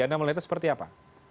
anda melihatnya seperti apa